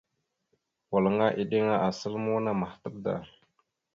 Walŋa eɗiŋa asal muuna mahətaɓ da.